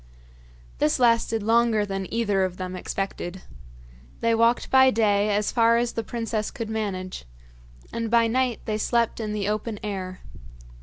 This lasted longer than either of them expected. They walked by day as far as the princess could manage, and by night they slept in the open air.